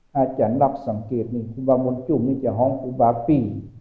ถ้าจะรับสังเกตนี่ครูบาบุญชุมนี่จะห้องครูบาปี